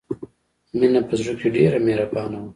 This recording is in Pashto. مینه په زړه کې ډېره مهربانه وه